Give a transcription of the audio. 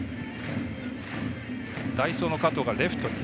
代走の加藤がレフトに。